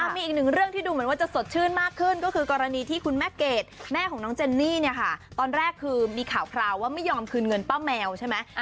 มีอีกหนึ่งเรื่องที่ดูเหมือนว่าจะสดชื่นมากขึ้นก็คือกรณีที่คุณแม่เกดแม่ของน้องเจนนี่เนี่ยค่ะตอนแรกคือมีข่าวคราวว่าไม่ยอมคืนเงินป้าแมวใช่ไหม